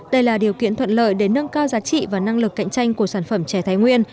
đây là điều kiện thuận lợi để nâng cao giá trị và năng lực cạnh tranh của sản phẩm chè thái nguyên